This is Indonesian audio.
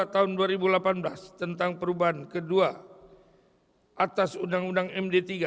tahun dua ribu delapan belas tentang perubahan kedua atas undang undang md tiga